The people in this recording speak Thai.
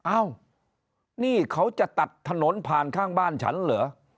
อ้าวนี่เขาจะตัดถนนผ่านข้างบ้านฉันเหรอ